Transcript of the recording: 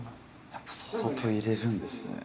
やっぱ相当入れるんですね。